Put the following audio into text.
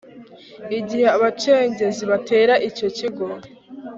igihe abacengezi batera icyo kigo